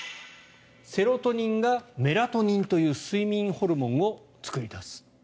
セロトニンがメラトニンという睡眠ホルモンを作り出す。